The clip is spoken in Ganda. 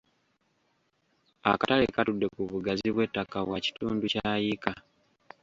Akatale katudde ku bugazi bw'ettaka bwa kitundu kya yiika.